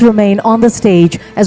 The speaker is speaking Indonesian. pemerintah pemerintah lau